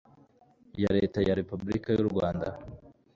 YA LETA YA REPUBULIKA Y U RWANDA